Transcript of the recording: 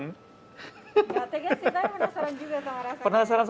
tega sih tapi penasaran juga sama rasanya